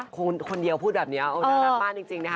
คุณคนเดียวพูดแบบนี้เอาหน่าทางน้ำบ้านจริงนะคะ